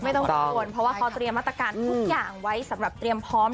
ไม่ต้องรบกวนเพราะว่าเขาเตรียมมาตรการทุกอย่างไว้สำหรับเตรียมพร้อม